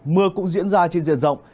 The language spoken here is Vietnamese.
mưa cũng diễn ra trên diện rộng